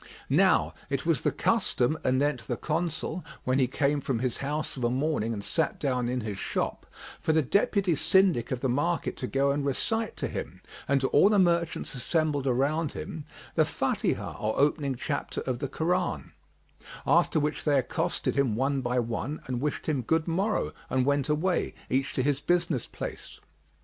Now it was the custom anent the Consul when he came from his house of a morning and sat down in his shop, for the Deputy Syndic of the market to go and recite to him and to all the merchants assembled around him the Fбtihah or opening chapter of the Koran,[FN#36] after which they accosted him one by one and wished him good morrow and went away, each to his business place.